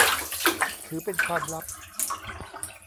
ถือเป็นความลับ